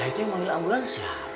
nah itu yang manggil ambulan siapa